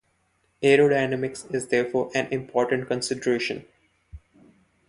Aerodynamics is therefore an important consideration.